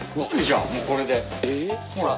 ほら。